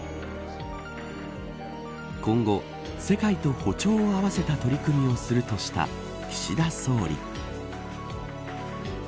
今後、世界と歩調を合わせた取り組みをするとした岸田総理。